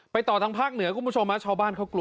ต่อทางภาคเหนือคุณผู้ชมชาวบ้านเขากลัว